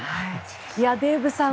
デーブさん